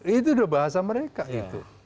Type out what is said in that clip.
itu udah bahasa mereka itu